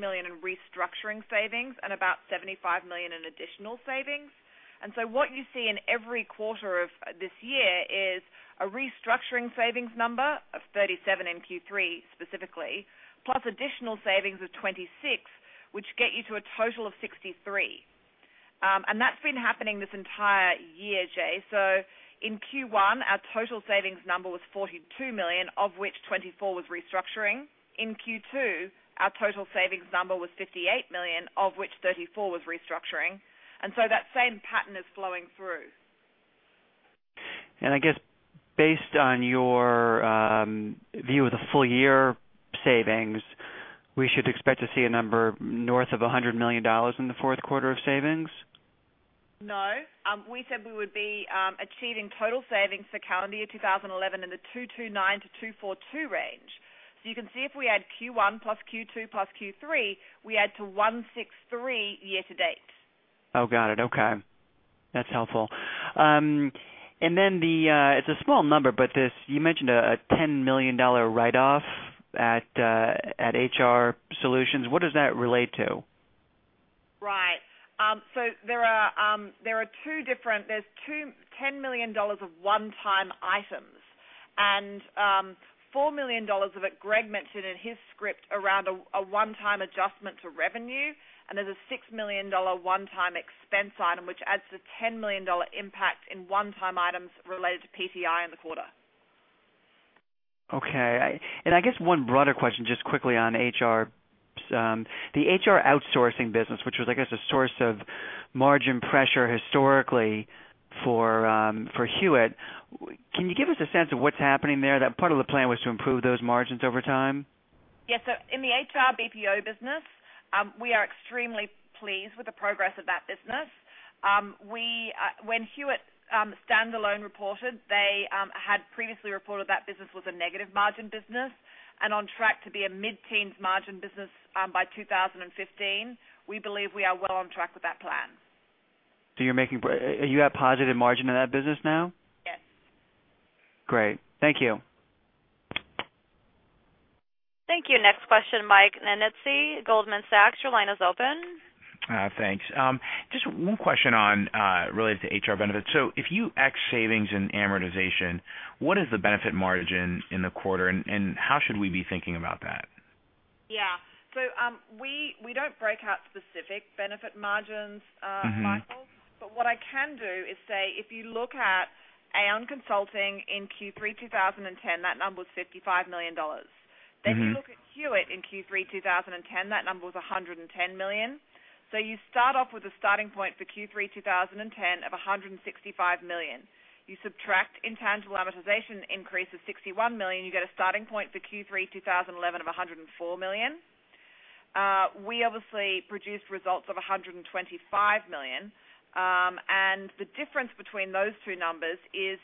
million in restructuring savings and about $75 million in additional savings. What you see in every quarter of this year is a restructuring savings number of $37 million in Q3 specifically, plus additional savings of $26 million, which get you to a total of $63 million. That's been happening this entire year, Jay. In Q1, our total savings number was $42 million, of which $24 million was restructuring. In Q2, our total savings number was $58 million, of which $34 million was restructuring. That same pattern is flowing through. I guess based on your view of the full year savings, we should expect to see a number north of $100 million in the fourth quarter of savings? No. We said we would be achieving total savings for calendar year 2011 in the $229 million-$242 million range. You can see if we add Q1 plus Q2 plus Q3, we add to $163 million year to date. Oh, got it. Okay. That's helpful. It's a small number, but you mentioned a $10 million write-off at HR Solutions. What does that relate to? There is $10 million of one-time items. $4 million of it, Greg mentioned in his script around a one-time adjustment to revenue. There is a $6 million one-time expense item, which adds to the $10 million impact in one-time items related to PTI in the quarter. Okay. I guess one broader question, just quickly on HR. The HR outsourcing business, which was, I guess, a source of margin pressure historically for Hewitt. Can you give us a sense of what is happening there? That part of the plan was to improve those margins over time. Yes. In the HR BPO business, we are extremely pleased with the progress of that business. When Hewitt standalone reported, they had previously reported that business was a negative margin business and on track to be a mid-teens margin business by 2015. We believe we are well on track with that plan. You have positive margin in that business now? Yes. Great. Thank you. Thank you. Next question, Michael Nannizzi, Goldman Sachs, your line is open. Thanks. Just one question related to HR benefits. If you X savings and amortization, what is the benefit margin in the quarter, and how should we be thinking about that? Yeah. We don't break out specific benefit margins, Michael. What I can do is say, if you look at Aon Consulting in Q3 2010, that number was $55 million. You look at Hewitt in Q3 2010, that number was $110 million. You start off with a starting point for Q3 2010 of $165 million. You subtract intangible amortization increase of $61 million, you get a starting point for Q3 2011 of $104 million. We obviously produced results of $125 million. The difference between those two numbers is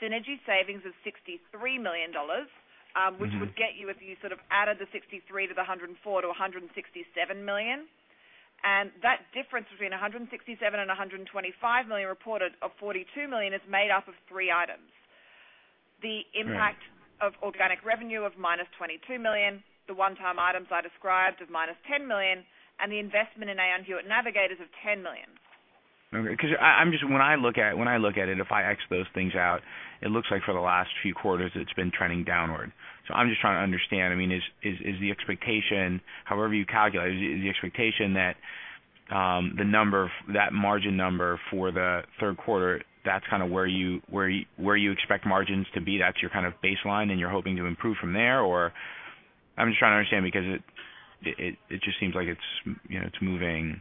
synergy savings of $63 million, which would get you if you added the 63 to the 104 to $167 million. That difference between $167 million and $125 million reported of $42 million is made up of three items. Right. The impact of organic revenue of -$22 million, the one-time items I described of -$10 million, and the investment in Aon Hewitt Navigators of $10 million. Okay. Because when I look at it, if I x those things out, it looks like for the last few quarters it's been trending downward. I'm just trying to understand, is the expectation, however you calculate it, is the expectation that that margin number for the third quarter, that's kind of where you expect margins to be, that's your kind of baseline and you're hoping to improve from there? I'm just trying to understand because it just seems like it's moving in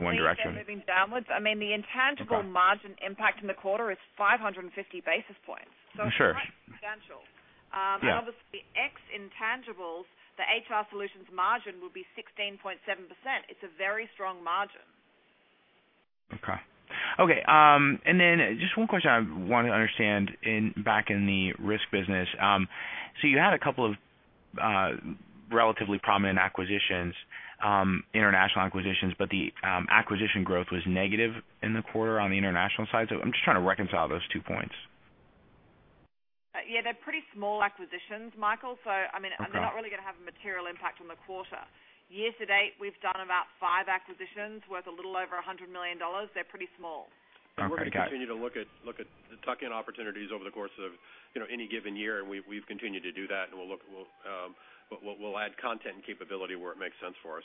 one direction. No, we don't see it as moving downwards. Okay. The intangible margin impact in the quarter is 550 basis points. Sure. It's quite substantial. Yeah. Obviously, ex intangibles, the HR Solutions margin will be 16.7%. It's a very strong margin. Okay. Just one question I want to understand back in the risk business. You had a couple of relatively prominent acquisitions, international acquisitions, but the acquisition growth was negative in the quarter on the international side. I'm just trying to reconcile those two points. Yeah, they're pretty small acquisitions, Michael. Okay. They're not really going to have a material impact on the quarter. Year to date, we've done about five acquisitions worth a little over $100 million. They're pretty small. Okay, got it. We're going to continue to look at the tuck-in opportunities over the course of any given year, and we've continued to do that, and we'll add content and capability where it makes sense for us.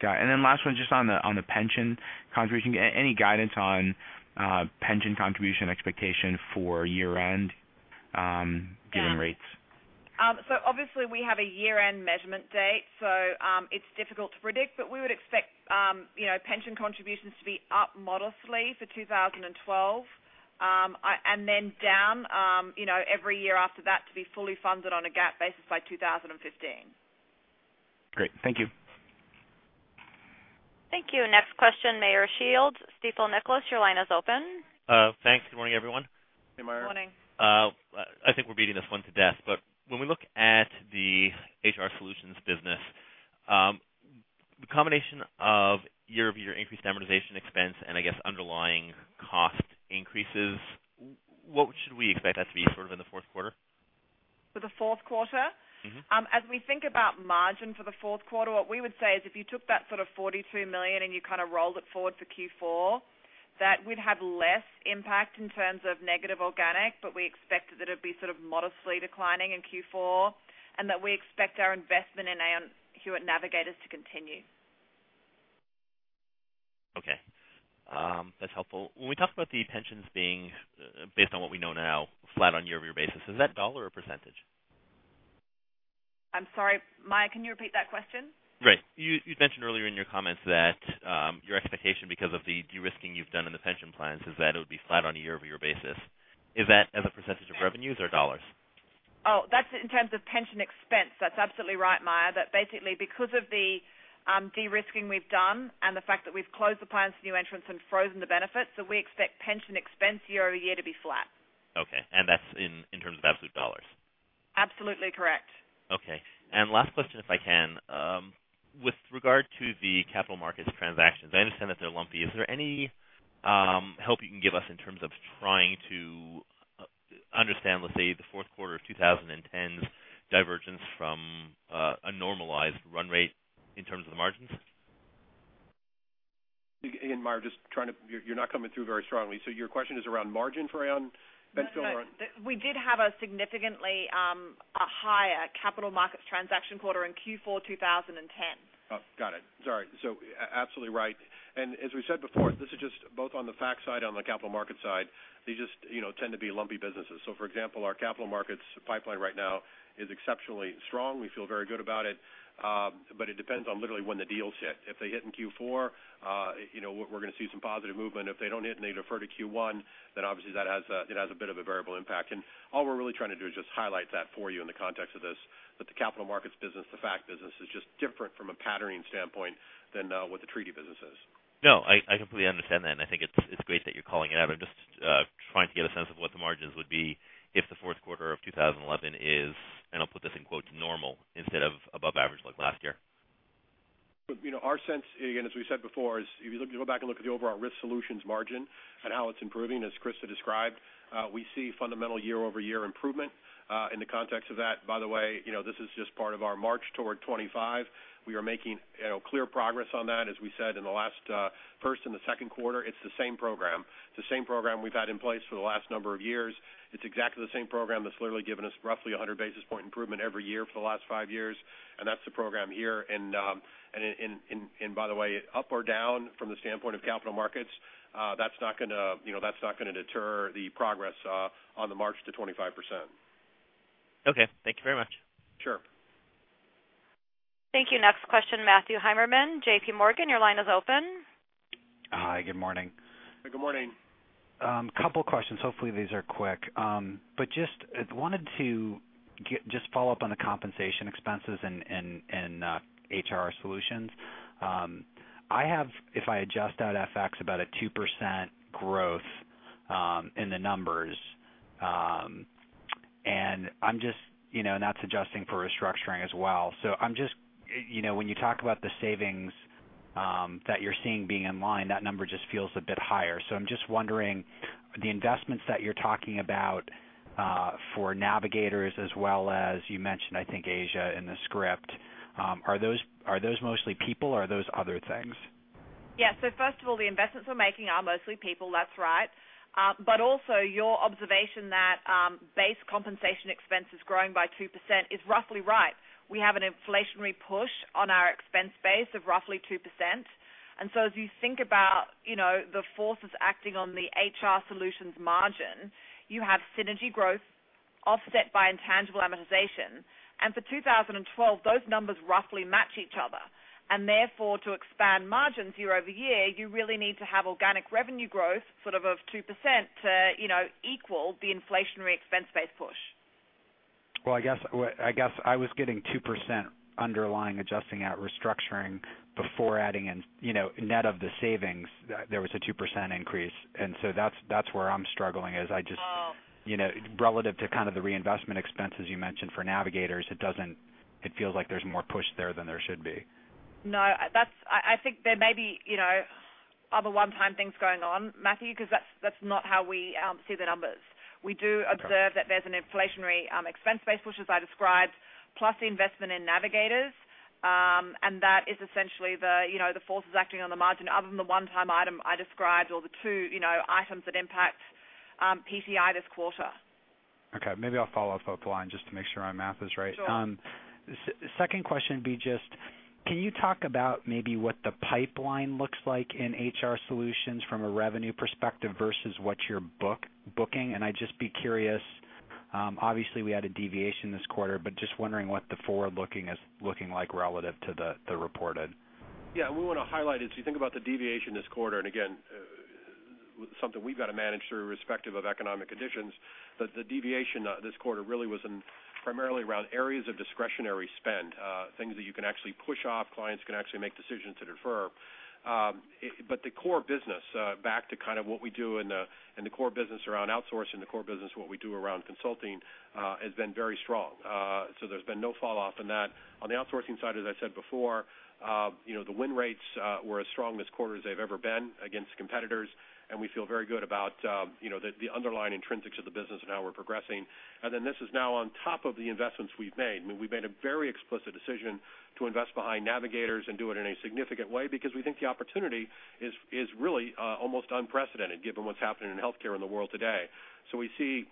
Got it. Last one, just on the pension contribution, any guidance on pension contribution expectation for year-end given rates? Obviously we have a year-end measurement date, so it's difficult to predict, but we would expect pension contributions to be up modestly for 2012. Down every year after that to be fully funded on a GAAP basis by 2015. Great. Thank you. Thank you. Next question, Meyer Shields, Stifel Nicolaus, your line is open. Thanks. Good morning, everyone. Hey, Meyer. Morning. I think we're beating this one to death, but when we look at the HR Solutions business, the combination of year-over-year increased amortization expense and I guess underlying cost increases, what should we expect that to be in the fourth quarter? For the fourth quarter? As we think about margin for the fourth quarter, what we would say is if you took that sort of $42 million and you kind of rolled it forward for Q4, that we'd have less impact in terms of negative organic. We expected that it'd be sort of modestly declining in Q4, and that we expect our investment in Aon Hewitt Navigators to continue. Okay. That's helpful. When we talk about the pensions being based on what we know now, flat on year-over-year basis, is that dollar or percentage? I'm sorry, Meyer, can you repeat that question? Right. You'd mentioned earlier in your comments that your expectation because of the de-risking you've done in the pension plans is that it would be flat on a year-over-year basis. Is that as a percentage of revenues or dollars? Oh, that's in terms of pension expense. That's absolutely right, Meyer. That basically because of the de-risking we've done and the fact that we've closed the plans to new entrants and frozen the benefits, so we expect pension expense year-over-year to be flat. Okay. That's in terms of absolute dollars? Absolutely correct. Last question, if I can. With regard to the capital markets transactions, I understand that they're lumpy. Is there any help you can give us in terms of trying to understand, let's say, the fourth quarter of 2010's divergence from a normalized run rate in terms of the margins? Again, Meyer, you're not coming through very strongly. Your question is around margin for Aon? No. We did have a significantly higher capital markets transaction quarter in Q4 2010. Oh, got it. Sorry. Absolutely right. As we said before, this is just both on the facts side, on the capital market side, these just tend to be lumpy businesses. For example, our capital markets pipeline right now is exceptionally strong. We feel very good about it. It depends on literally when the deals hit. If they hit in Q4 we're going to see some positive movement. If they don't hit and they defer to Q1, obviously that has a bit of a variable impact. All we're really trying to do is just highlight that for you in the context of this, that the capital markets business, the fact business is just different from a patterning standpoint than what the treaty business is. No, I completely understand that, and I think it's great that you're calling it out, but I'm just trying to get a sense of what the margins would be if the fourth quarter of 2011 is, and I'll put this in quotes, normal instead of above average like last year. Our sense, again, as we said before, is if you go back and look at the overall Risk Solutions margin and how it's improving, as Christa described, we see fundamental year-over-year improvement. In the context of that, by the way, this is just part of our march toward 25. We are making clear progress on that, as we said in the last first and the second quarter. It's the same program. It's the same program we've had in place for the last number of years. It's exactly the same program that's literally given us roughly 100 basis point improvement every year for the last five years, and that's the program here. By the way, up or down from the standpoint of capital markets, that's not going to deter the progress on the march to 25%. Okay. Thank you very much. Sure. Thank you. Next question, Matthew Heimermann, J.P. Morgan, your line is open. Hi, good morning. Good morning. A couple questions. Hopefully, these are quick. Just wanted to follow up on the compensation expenses in HR Solutions. I have, if I adjust out FX, about a 2% growth in the numbers. And that's adjusting for restructuring as well. When you talk about the savings that you're seeing being in line, that number just feels a bit higher. I'm just wondering, the investments that you're talking about for Navigators as well as you mentioned, I think, Asia in the script, are those mostly people or are those other things? Yeah. First of all, the investments we're making are mostly people, that's right. Also your observation that base compensation expense is growing by 2% is roughly right. We have an inflationary push on our expense base of roughly 2%. As you think about the forces acting on the HR Solutions margin, you have synergy growth offset by intangible amortization. For 2012, those numbers roughly match each other, therefore, to expand margins year-over-year, you really need to have organic revenue growth of 2% to equal the inflationary expense-based push. Well, I guess I was getting 2% underlying adjusting out restructuring before adding in net of the savings, there was a 2% increase. That's where I'm struggling is I just- Oh. Relative to kind of the reinvestment expenses you mentioned for Aon Hewitt Navigators, it feels like there's more push there than there should be. No. I think there may be other one-time things going on, Matthew, because that's not how we see the numbers. Okay. We do observe that there's an inflationary expense base push, as I described, plus the investment in Aon Hewitt Navigators. That is essentially the forces acting on the margin other than the one-time item I described or the two items that impact PTI this quarter. Okay. Maybe I'll follow up offline just to make sure my math is right. Sure. Second question would be just can you talk about maybe what the pipeline looks like in HR Solutions from a revenue perspective versus what you're booking? I'd just be curious, obviously we had a deviation this quarter, just wondering what the forward looking is looking like relative to the reported. Yeah. We want to highlight it. You think about the deviation this quarter, again, something we've got to manage irrespective of economic conditions, the deviation this quarter really was primarily around areas of discretionary spend, things that you can actually push off, clients can actually make decisions to defer. The core business, back to what we do in the core business around outsourcing, the core business what we do around consulting, has been very strong. There's been no fall off in that. On the outsourcing side, as I said before, the win rates were as strong this quarter as they've ever been against competitors, we feel very good about the underlying intrinsics of the business and how we're progressing. Then this is now on top of the investments we've made. We've made a very explicit decision to invest behind Aon Hewitt Navigators and do it in a significant way because we think the opportunity is really almost unprecedented given what's happening in healthcare in the world today. We see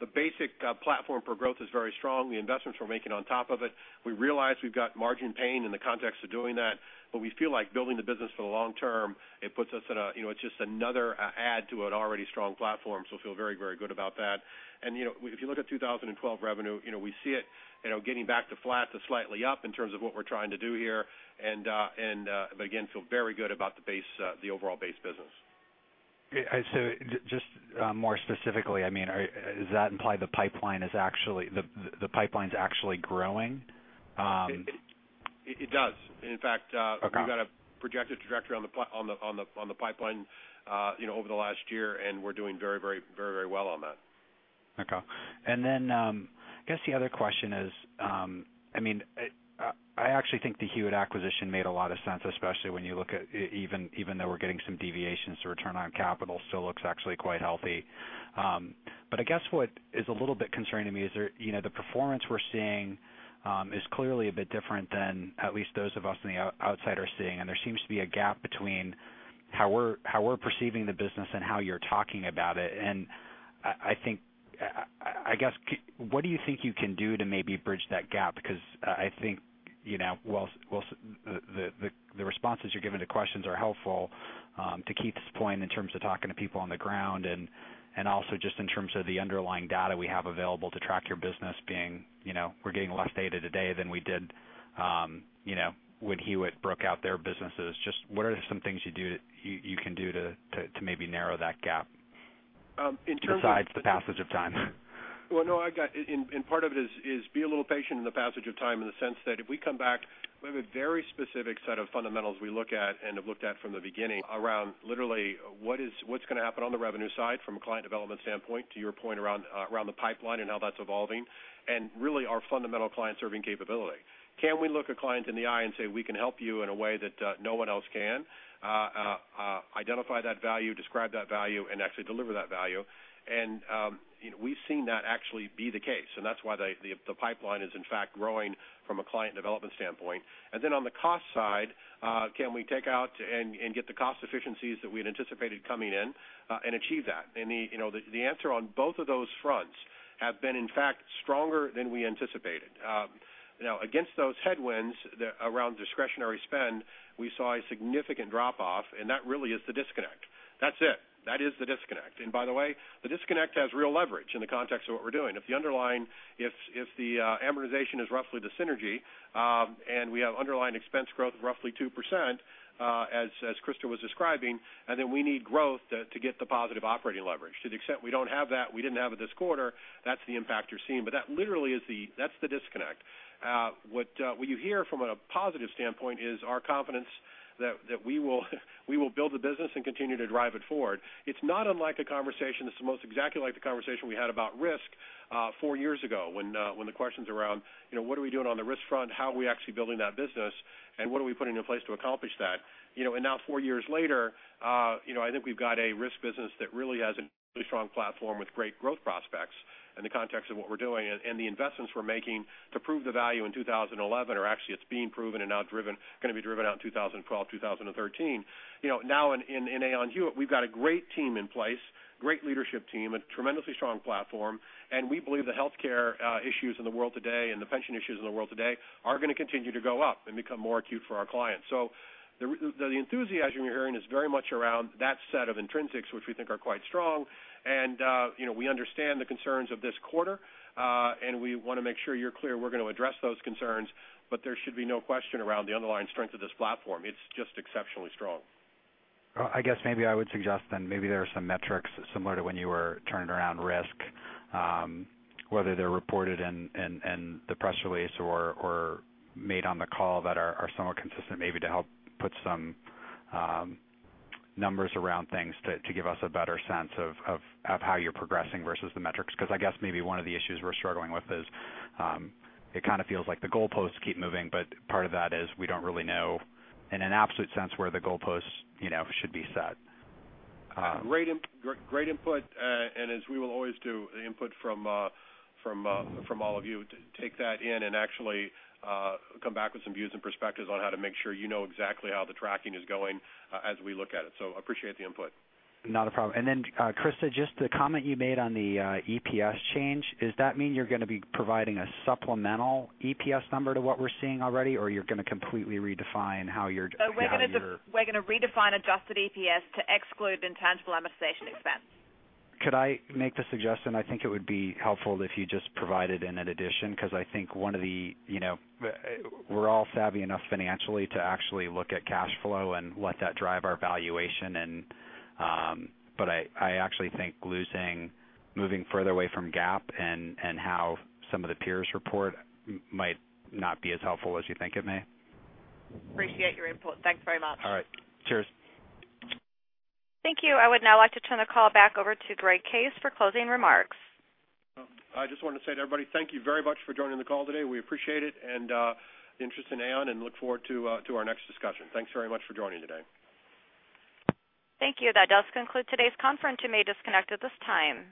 the basic platform for growth is very strong, the investments we're making on top of it. We realize we've got margin pain in the context of doing that, we feel like building the business for the long term, it's just another add to an already strong platform, we feel very, very good about that. If you look at 2012 revenue, we see it getting back to flat to slightly up in terms of what we're trying to do here, again, feel very good about the overall base business. Just more specifically, does that imply the pipeline's actually growing? It does. Okay We've got a projected trajectory on the pipeline over the last year, and we're doing very, very well on that. Okay. I guess the other question is, I actually think the Hewitt acquisition made a lot of sense, especially when you look at even though we're getting some deviations to return on capital, still looks actually quite healthy. I guess what is a little bit concerning to me is the performance we're seeing is clearly a bit different than at least those of us in the outside are seeing. There seems to be a gap between how we're perceiving the business and how you're talking about it. I guess, what do you think you can do to maybe bridge that gap? I think the responses you're giving to questions are helpful, to Keith's point, in terms of talking to people on the ground, and also in terms of the underlying data we have available to track your business being, we're getting less data today than we did when Hewitt broke out their businesses. What are some things you can do to maybe narrow that gap? In terms of- Besides the passage of time? Well, no. Part of it is be a little patient in the passage of time in the sense that if we come back, we have a very specific set of fundamentals we look at and have looked at from the beginning around literally what's going to happen on the revenue side from a client development standpoint, to your point around the pipeline and how that's evolving, and really our fundamental client-serving capability. Can we look a client in the eye and say, "We can help you in a way that no one else can." Identify that value, describe that value, and actually deliver that value. We've seen that actually be the case, and that's why the pipeline is in fact growing from a client development standpoint. On the cost side, can we take out and get the cost efficiencies that we had anticipated coming in, and achieve that? The answer on both of those fronts have been, in fact, stronger than we anticipated. Against those headwinds around discretionary spend, we saw a significant drop-off, and that really is the disconnect. That is the disconnect. By the way, the disconnect has real leverage in the context of what we're doing. If the amortization is roughly the synergy, and we have underlying expense growth of roughly 2%, as Christa was describing, then we need growth to get the positive operating leverage. To the extent we don't have that, we didn't have it this quarter, that's the impact you're seeing. That literally is the disconnect. What you hear from a positive standpoint is our confidence that we will build the business and continue to drive it forward. It's not unlike a conversation, it's almost exactly like the conversation we had about risk four years ago when the questions around what are we doing on the risk front, how are we actually building that business, and what are we putting in place to accomplish that? Now four years later, I think we've got a risk business that really has a really strong platform with great growth prospects in the context of what we're doing. The investments we're making to prove the value in 2011 are actually it's being proven and now going to be driven out in 2012, 2013. In Aon Hewitt, we've got a great team in place, great leadership team, a tremendously strong platform, and we believe the healthcare issues in the world today and the pension issues in the world today are going to continue to go up and become more acute for our clients. The enthusiasm you're hearing is very much around that set of intrinsics, which we think are quite strong. We understand the concerns of this quarter, and we want to make sure you're clear we're going to address those concerns. There should be no question around the underlying strength of this platform. It's just exceptionally strong. I guess maybe I would suggest then maybe there are some metrics similar to when you were turning around risk, whether they're reported in the press release or made on the call that are somewhat consistent, maybe to help put some numbers around things to give us a better sense of how you're progressing versus the metrics. I guess maybe one of the issues we're struggling with is it kind of feels like the goalposts keep moving, but part of that is we don't really know in an absolute sense where the goalposts should be set. Great input, as we will always do the input from all of you, take that in and actually come back with some views and perspectives on how to make sure you know exactly how the tracking is going as we look at it. Appreciate the input. Not a problem. Then Christa, just the comment you made on the EPS change, does that mean you're going to be providing a supplemental EPS number to what we're seeing already, or you're going to completely redefine how you're We're going to redefine adjusted EPS to exclude intangible amortization expense. Could I make the suggestion? I think it would be helpful if you just provided in an addition, because I think we're all savvy enough financially to actually look at cash flow and let that drive our valuation. I actually think moving further away from GAAP and how some of the peers report might not be as helpful as you think it may. Appreciate your input. Thanks very much. All right. Cheers. Thank you. I would now like to turn the call back over to Greg Case for closing remarks. I just want to say to everybody, thank you very much for joining the call today. We appreciate it and the interest in Aon and look forward to our next discussion. Thanks very much for joining today. Thank you. That does conclude today's conference. You may disconnect at this time.